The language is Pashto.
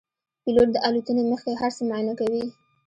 پیلوټ د الوتنې مخکې هر څه معاینه کوي.